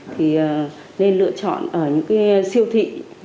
thì nên lựa chọn ở những cái siêu thị